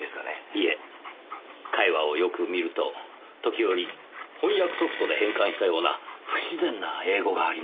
いえ会話をよく見ると時折翻訳ソフトで変換したような不自然な英語があります。